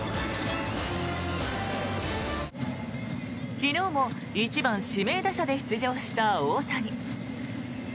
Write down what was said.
昨日も１番指名打者で出場した大谷。